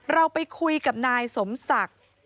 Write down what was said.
เราไปคุยกับนายสมศักดิ์